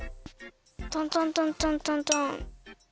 トントントントントントン。